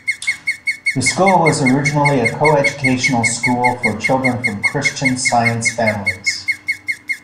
The school was originally a co-educational school for children from Christian Science families.